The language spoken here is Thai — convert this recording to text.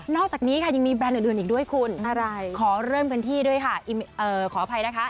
อกจากนี้ค่ะยังมีแบรนด์อื่นอีกด้วยคุณขอเริ่มกันที่ด้วยค่ะขออภัยนะคะ